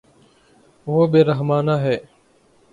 وہ بے رحمانہ ہے